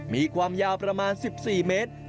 มีความยาวประมาณ๑๔เมตร